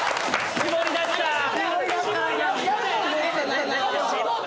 絞り出したな今。